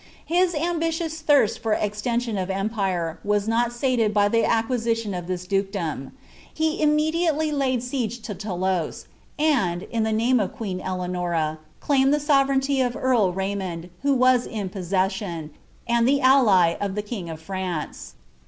His ambitious thirst for extension of empire was not sated by the acqui sition of this dukedom ; he immediately laid siege to Thoulouse, and, in the name of queen Eleanora, claimed that sovereignty of earl Ray mond, who was in possession, and the ally of the king of France.